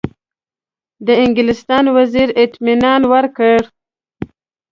د انګلستان وزیر اطمینان ورکړی.